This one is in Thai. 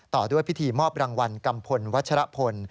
ต่อด้วยพิธีมอบรางวัลกัมพลวัชรพล